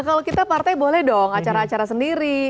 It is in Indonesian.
kalau kita partai boleh dong acara acara sendiri